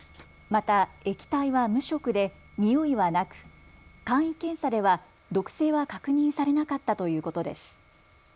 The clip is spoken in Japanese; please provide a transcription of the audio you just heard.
また液体は無色で、においはなく簡易検査では毒性は確認されなかったということです。